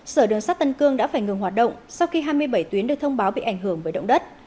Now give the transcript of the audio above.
sở đường sát tân cương đã phải ngừng hoạt động sau khi hai mươi bảy tuyến được thông báo bị ảnh hưởng với động đất